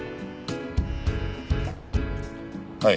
はい。